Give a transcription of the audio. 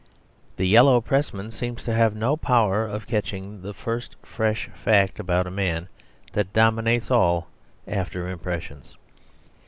The Yellow Pressman seems to have no power of catching the first fresh fact about a man that dominates all after impressions.